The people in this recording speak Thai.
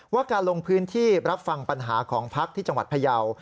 การลงพื้นที่รับฟังปัญหาของพักที่จังหวัดพยาว